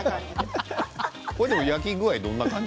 焼き具合はどんな感じ？